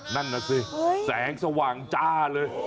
นั่นน่ะสิแสงสว่างจ้าเลย